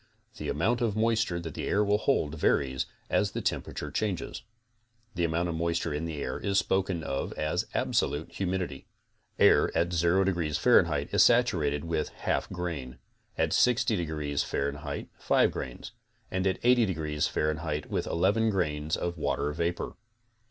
The amount of moisture that the air will hold varies as the tem perature changes. The amount of moisture in the air is spoken of as absolute humidity. Air at O degrees F. is saturated with 1 2 grain, at 60 degrees F. 5 grains, and at 80 degrees F. with 11 grains of water vapor.